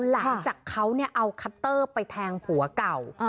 หลังจากเขาเอาคัตเตอร์ไปแทงผัวเก่า